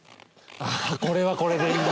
あっこれはこれでいい。